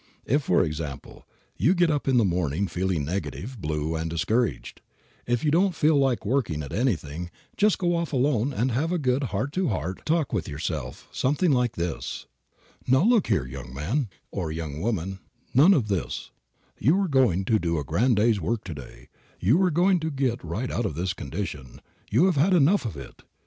If, for example, you get up in the morning feeling negative, blue and discouraged; if you don't feel like working at anything, just go off alone and have a good heart to heart talk with yourself something like this: "Now, look here, young man (or young woman), none of this: you are going to do a grand day's work to day; you are going to get right out of this condition; you have had enough of it.